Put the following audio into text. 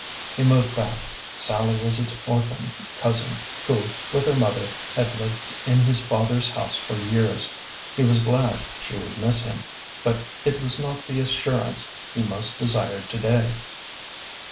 He moved back. Sallie was his orphaned cousin who, with her mother, had lived in his father's house for years. He was glad she would miss him, but it was not the as surance he most desired to day.